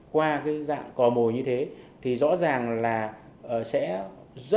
qua cái dạng cò mồi như thế thì rõ ràng là sẽ rất là rủi ro